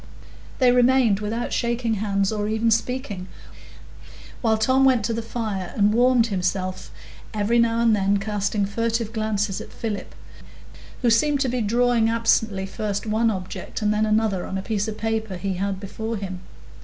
So they remained without shaking hands or even speaking, while Tom went to the fire and warmed himself, every now and then casting furtive glances at Philip, who seemed to be drawing absently first one object and then another on a piece of paper he had before him.